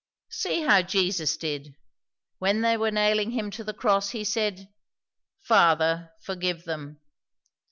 "See how Jesus did. When they were nailing him to the cross, he said, 'Father, forgive them.'"